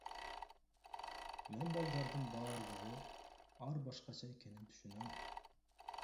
Мен балдардын бардыгы ар башкача экенин түшүнөм.